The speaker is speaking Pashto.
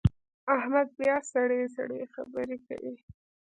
احمد بیا سړې سړې خبرې کوي.